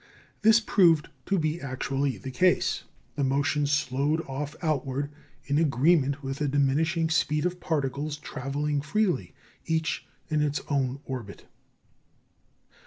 This proved to be actually the case. The motion slowed off outward, in agreement with the diminishing speed of particles travelling freely, each in its own orbit.